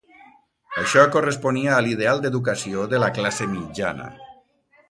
Això corresponia a l'ideal d'educació de la classe mitjana.